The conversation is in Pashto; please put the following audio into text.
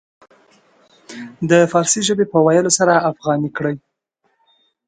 د فارسي ژبې په ويلو سره افغاني کړي.